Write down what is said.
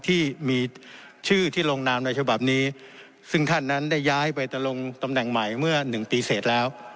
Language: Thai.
ที่มีชื่อที่ลงนามในฉบับนี้ซึ่งท่านนั้นได้ย้ายไปตะลงตำแหน่งใหม่เมื่อหนึ่งปีเสร็จแล้ว